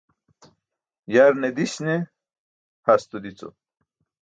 Yarne diś ne hasto dico